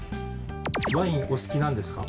ワインお好きなんですか？